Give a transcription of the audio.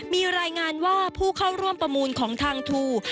มีรายงานว่าผู้เข้าร่วมประมูลของทางทู